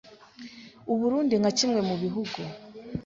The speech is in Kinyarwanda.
U Burunndi nka kimwe mu bihugu